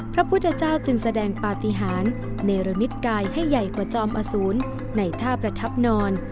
พระพุทธเจ้าจึงแสดงปฏิหารเนรมิตกายให้ใหญ่กว่าจอมอสูรในท่าประทับนอน